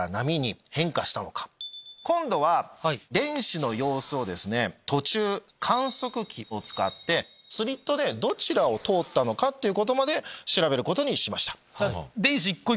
今度は電子の様子を途中観測器を使ってスリットでどちらを通ったかまで調べることにしました。